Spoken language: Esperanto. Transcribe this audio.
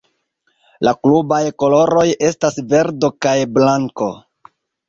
La klubaj koloroj estas verdo kaj blanko.